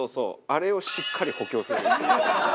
あれをしっかり補強する。